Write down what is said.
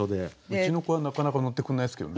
うちの子はなかなか乗ってくれないですけどね。